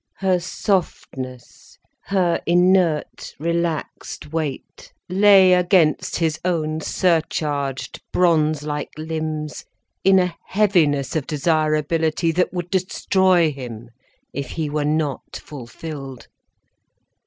Her softness, her inert, relaxed weight lay against his own surcharged, bronze like limbs in a heaviness of desirability that would destroy him, if he were not fulfilled.